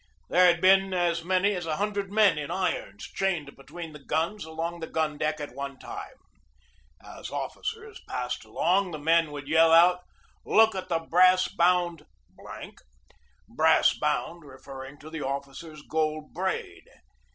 There had been as many as a hundred men in irons chained between the guns along the gun deck at one time. As officers passed along, the men would call out: "Look at the brass bound ," "brass bound" referring to 124 GEORGE DEWEY the officer's gold braid.